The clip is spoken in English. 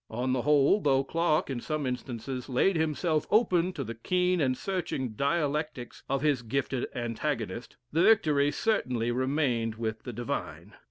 On the whole, though Clarke, in some instances, laid himself open to the keen and searching dialectics of his gifted antagonist, the victory certainly remained with the Divine."